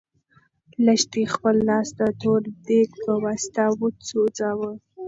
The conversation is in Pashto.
لښتې خپل لاس د تور دېګ په واسطه وسوځاوه.